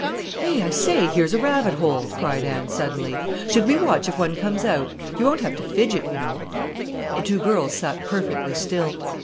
"Eh, I say, here's a rabbit hole!" cried Anne suddenly. "Should we watch if one comes out? You won't have to fidget, you know." The two girls sat perfectly still.